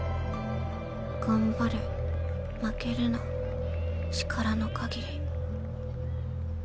頑張れ負けるな力のかぎり。